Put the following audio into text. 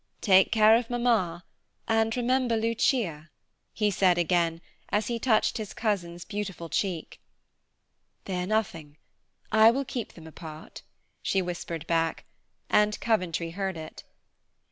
"Take care of Mamma, and remember Lucia," he said again, as he touched his cousin's beautiful cheek. "Fear nothing. I will keep them apart," she whispered back, and Coventry heard it.